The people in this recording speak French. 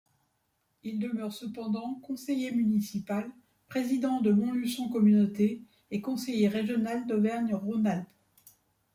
Il demeure cependant conseiller municipal, président de Montluçon Communauté et Conseiller régional d'Auvergne-Rhône-Alpes.